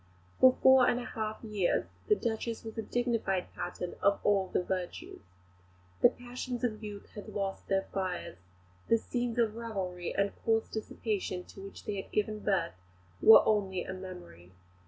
For four and a half years the Duchess was a dignified pattern of all the virtues. The passions of youth had lost their fires; the scenes of revelry and coarse dissipation to which they had given birth were only a memory.